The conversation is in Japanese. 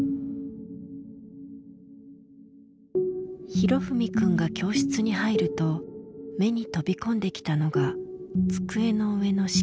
裕史くんが教室に入ると目に飛び込んできたのが机の上の色紙。